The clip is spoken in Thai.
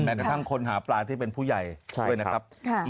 กระทั่งคนหาปลาที่เป็นผู้ใหญ่ด้วยนะครับ